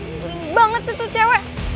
nyebelin banget tuh cewek